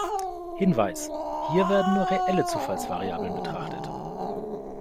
Hinweis: Hier werden nur reelle Zufallsvariablen betrachtet.